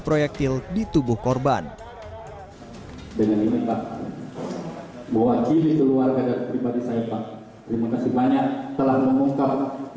spektil di tubuh korban dengan ini bahwa jilid keluarga terima kasih banyak telah mengungkap